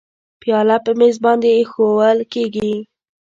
پیاله په میز باندې اېښوول کېږي.